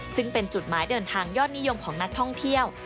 ซึ่งเป็นจุดหมายเดินทางยอดนิยมของนักท่องเที่ยว